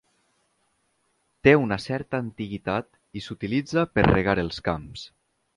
Té una certa antiguitat i s'utilitza per regar els camps.